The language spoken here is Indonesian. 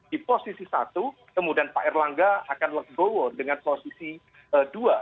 di posisi satu kemudian pak erlangga akan legowo dengan posisi dua